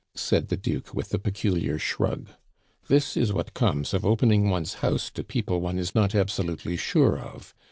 said the Duke, with a peculiar shrug. "This is what comes of opening one's house to people one is not absolutely sure of.